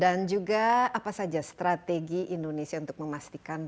dan juga apa saja strategi indonesia untuk memastikan ekonomi